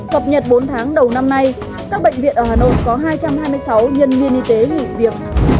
cập nhật bốn tháng đầu năm nay các bệnh viện ở hà nội có hai trăm hai mươi sáu nhân viên y tế nghỉ việc